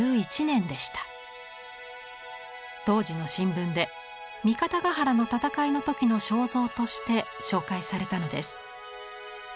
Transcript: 当時の新聞で三方ヶ原の戦いの時の肖像として紹介されたのです。